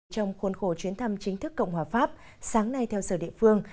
trong khuôn khổ chuyến thăm chính thức cộng hòa pháp sáng nay theo giờ địa phương